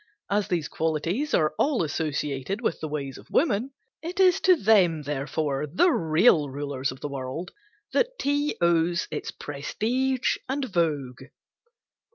As these qualities are all associated with the ways of women, it is to them, therefore the real rulers of the world that tea owes its prestige and vogue.